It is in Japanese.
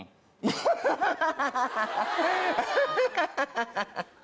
アハハハ。